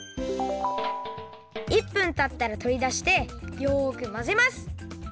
１分たったらとりだしてよくまぜます！